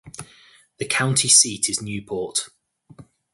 The county seat is Newport.